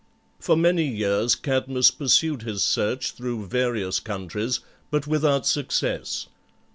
For many years Cadmus pursued his search through various countries, but without success.